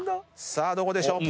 さあどこでしょう？